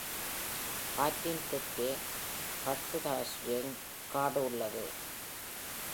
ஆற்றின் தெற்கே Harthausen காடு உள்ளது.